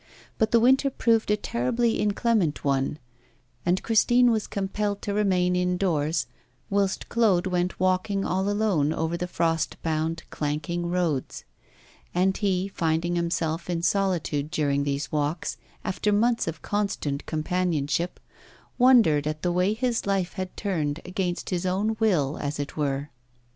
But the winter proved a terribly inclement one, and Christine was compelled to remain indoors, whilst Claude went walking all alone over the frost bound, clanking roads. And he, finding himself in solitude during these walks, after months of constant companionship, wondered at the way his life had turned, against his own will, as it were.